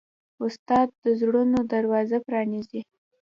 استاد د زړونو دروازه پرانیزي.